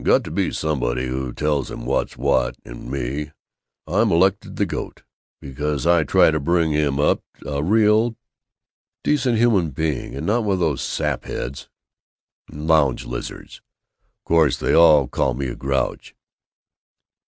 Got to be somebody who tells him what's what, and me, I'm elected the goat. Because I try to bring him up to be a real, decent, human being and not one of these sapheads and lounge lizards, of course they all call me a grouch!"